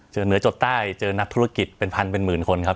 เหนือจบใต้เจอนักธุรกิจเป็นพันเป็นหมื่นคนครับ